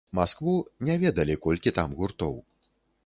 Маскву, не ведалі, колькі там гуртоў.